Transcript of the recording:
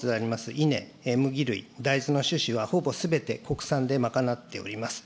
稲、麦類、大豆の種子は、ほぼすべて国産で賄っております。